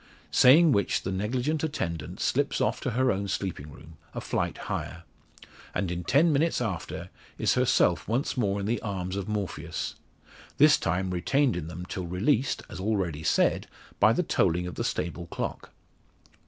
Saying which the negligent attendant slips off to her own sleeping room, a flight higher; and in ten minutes after, is herself once more in the arms of Morpheus; this time retained in them till released, as already said, by the tolling of the stable clock.